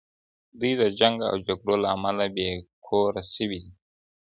دوی د جنګ او جګړو له امله بې کوره سوي دي.